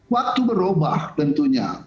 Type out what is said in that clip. waktu berubah tentunya